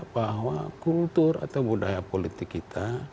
bahwa kultur atau budaya politik kita